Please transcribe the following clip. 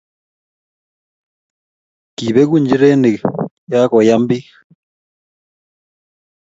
Kibeku nchirenik ya koyam beek